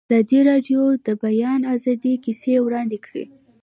ازادي راډیو د د بیان آزادي کیسې وړاندې کړي.